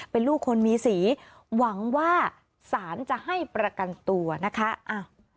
เป็นลูกคนมีสีหวังว่าสารจะให้ประกันตัวนะคะอ้าว